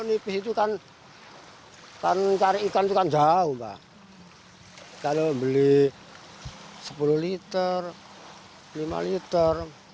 nipis itu kan kan mencari ikan bukan jauh kalau beli sepuluh liter lima liter